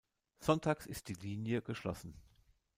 Sonntags ist die Linie geschlossen.